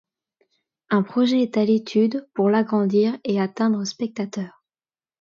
Un projet est à l'étude pour l'agrandir et atteindre spectateurs.